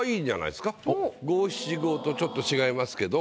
五七五とちょっと違いますけど。